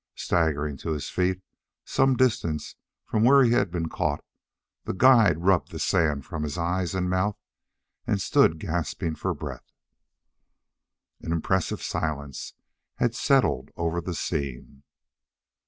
Staggering to his feet, some distance from where he had been caught, the guide rubbed the sand from his eyes and mouth and stood gasping for breath. An impressive silence had settled over the scene.